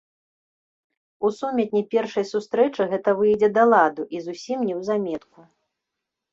У сумятні першай сустрэчы гэта выйдзе да ладу і зусім неўзаметку.